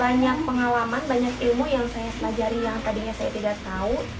banyak pengalaman banyak ilmu yang saya pelajari yang tadinya saya tidak tahu